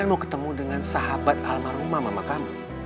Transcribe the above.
kamu mau ketemu dengan sahabat almarhumah mama kamu